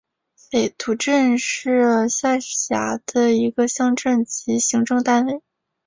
北陡镇是是下辖的一个乡镇级行政单位。